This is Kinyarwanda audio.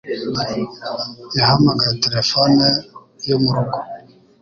Yahamagaye terefone yo mu rugo